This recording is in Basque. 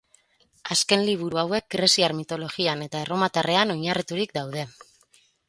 Azken liburu hauek greziar mitologian eta erromatarrean oinarriturik daude.